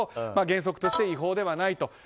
原則として違法ではないと。